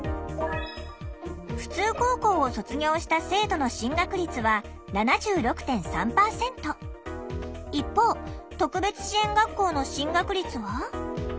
普通高校を卒業した生徒の進学率は一方特別支援学校の進学率は。